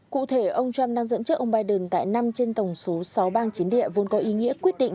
cụ thể ông trump đang dẫn trước ông biden tại năm trên tổng số sáu bang chiến địa vốn có ý nghĩa quyết định